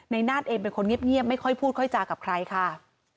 นาฏเองเป็นคนเงียบไม่ค่อยพูดค่อยจากับใครค่ะ